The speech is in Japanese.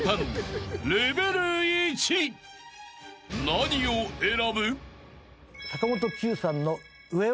［何を選ぶ？］